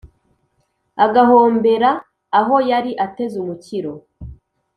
agahombera aho yari ateze umukiro.